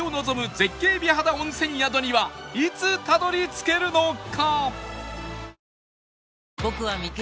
絶景美肌温泉宿にはいつたどり着けるのか？